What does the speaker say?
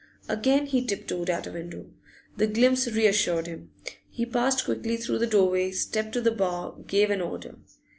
Again he tip toed at a window. The glimpse reassured him; he passed quickly through the doorway, stepped to the bar, gave an order.